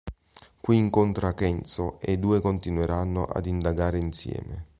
Qui incontra Kenzo e i due continueranno ad indagare insieme.